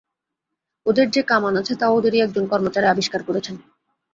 ওদের যে কামান আছে, তা ওদেরই একজন কর্মচারী আবিষ্কার করেছেন।